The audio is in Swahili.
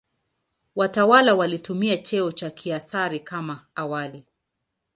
Watawala walitumia cheo cha "Kaisari" kama awali.